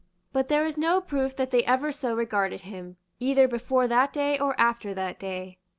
But there is no proof that they ever so regarded him, either before that day or after that day.